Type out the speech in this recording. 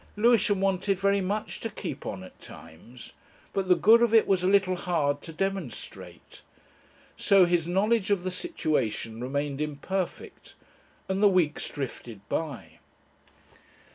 Lewisham wanted very much to keep on at times, but the good of it was a little hard to demonstrate. So his knowledge of the situation remained imperfect and the weeks drifted by.